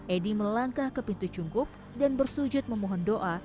edi melangkah ke pintu cungkup dan bersujud memohon doa